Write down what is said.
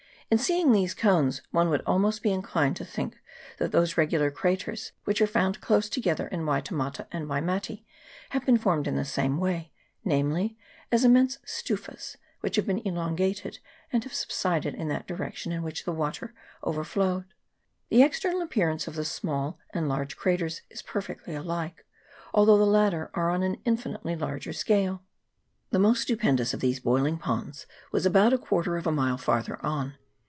In seeing these cones one would almost be inclined to think that those regular craters which are found close together in Waitemata and Waimate have been formed in the same way namely, as immense stufas, which have been elongated, and have sub sided in that direction in which the water over flowed. The external appearance of the small and large craters is perfectly alike, although the latter are on an infinitely larger scale. The most stupendous of these boiling ponds was about a quarter of a mile farther on.